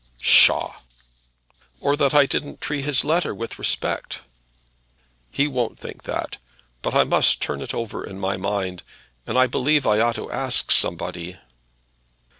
"Psha!" "Or that I didn't treat his letter with respect." "He won't think that. But I must turn it over in my mind; and I believe I ought to ask somebody."